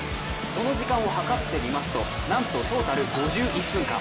その時間をはかってみますとなんとトータル５１分間。